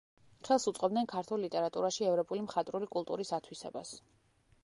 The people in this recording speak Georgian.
ხელს უწყობდნენ ქართულ ლიტერატურაში ევროპული მხატვრული კულტურის ათვისებას.